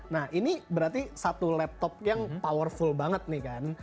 nah ini berarti satu laptop yang powerful banget nih kan